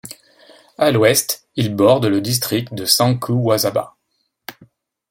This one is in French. À l'ouest, il borde le district de Sankhuwasabha.